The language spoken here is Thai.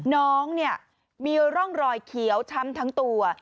น้องเนี่ยมีร่องรอยเขียวช้ำทั้งตัว